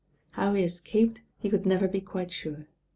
How he escaped he could never be quite sure.